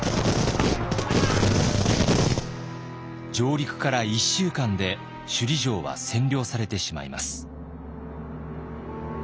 上陸から１週間で首里城は占領されてしまいます。